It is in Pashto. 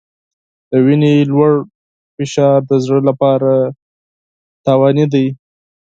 د وینې لوړ فشار د زړه لپاره زیانمن دی.